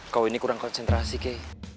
kau ini kurang konsentrasi ke